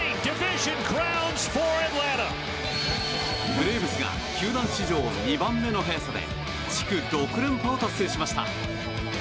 ブレーブスが球団史上２番目の早さで地区６連覇を達成しました。